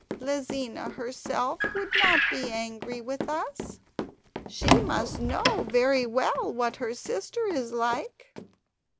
Lizina herself would not be angry with us; she must know very well what her sister is like."